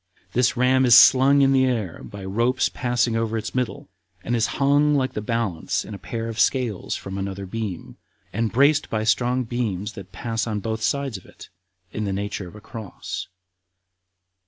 This ram is slung in the air by ropes passing over its middle, and is hung like the balance in a pair of scales from another beam, and braced by strong beams that pass on both sides of it, in the nature of a cross.